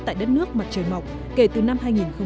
tại đất nước mặt trời mọc kể từ năm hai nghìn một mươi